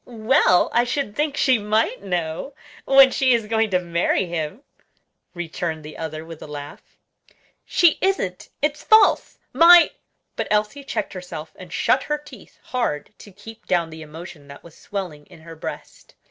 "Well, I should think she might know, when she is going to marry him," returned the other, with a laugh. "She isn't! it's false! my" but Elsie checked herself and shut her teeth hard to keep down the emotion that was swelling in her breast.